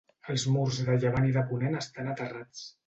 Els murs de llevant i de ponent estan aterrats.